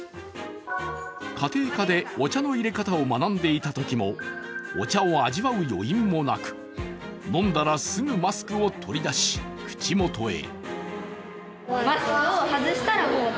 家庭科でお茶の入れ方を学んでいたときもお茶を味わう余韻もなく飲んだらすぐマスクを取り出し口元へ。